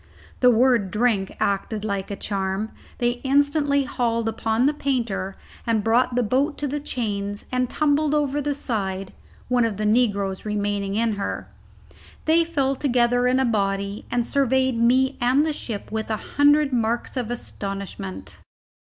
The word "drink" acted like a charm; they instantly hauled upon the painter and brought the boat to the chains and tumbled over the side, one of the negroes remaining in her. They fell together in a body, and surveyed me and the ship with a hundred marks of astonishment.